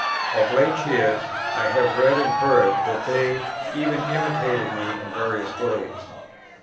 Of late years I have read and heard that they even imitated me in various ways.